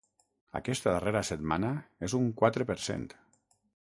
Aquesta darrera setmana, és un quatre per cent.